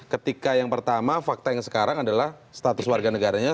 ketika yang pertama fakta yang sekarang adalah status warga negaranya